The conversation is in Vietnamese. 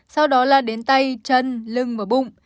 sau đó là đến tay chân lưng và bụng